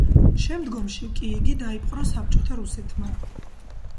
შემდგომში კი იგი დაიპყრო საბჭოთა რუსეთმა.